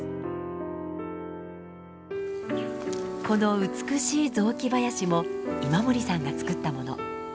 この美しい雑木林も今森さんがつくったもの。